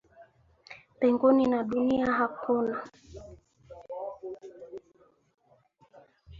Mbinguni na dunia Hakuna